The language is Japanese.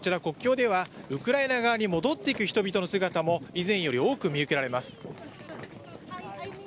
国境ではウクライナ側に戻っていく人々の姿も以前より多く見受けられます。